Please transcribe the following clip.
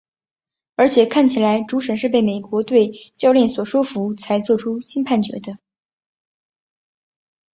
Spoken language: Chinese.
而且看起来主审是被美国队教练所说服才做出新判决的。